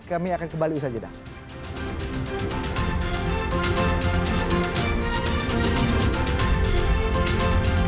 kami akan kembali usaha jeda